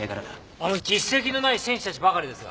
あの実績のない選手たちばかりですが。